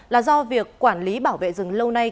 là do việc quản lý bảo vệ rừng lâu nay